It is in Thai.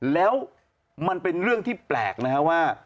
แล้วมันเป็นเรื่องที่แปลกนะฮะว่า